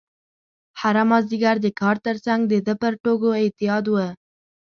هره مازدیګر د کار ترڅنګ د ده پر ټوکو اعتیاد و.